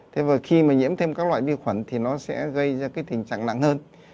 thế và khi mà nhiễm thêm các loại vi khuẩn thì nó sẽ gây ra cái tình trạng nặng hơn